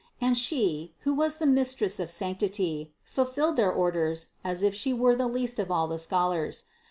And She, who was the Mistress of sanctity, fulfilled their or ders as if She were the least of all the scholars.